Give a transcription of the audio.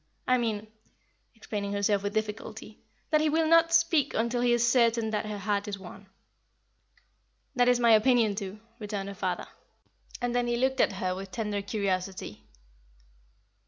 I mean" explaining herself with difficulty "that he will not speak until he is certain that her heart is won." "That is my opinion, too," returned her father; and then he looked at her with tender curiosity.